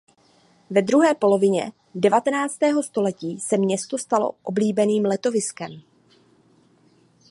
Ve druhé polovině devatenáctého století se město stalo oblíbeným letoviskem.